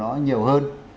nó nhiều hơn